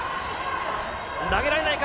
投げられないか。